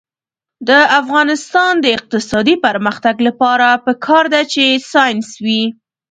د افغانستان د اقتصادي پرمختګ لپاره پکار ده چې ساینس وي.